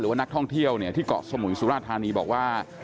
ว่านักท่องเที่ยวเนี่ยที่เกาะสมุยสุราธานีบอกว่า